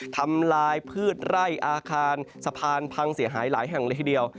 ทำลายพืชไร่อาคารสะพานพังเสียหายหลายแห่งเลยทีเดียว